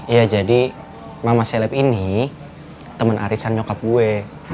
iya jadi mama seleb ini temen arisan nyokap gue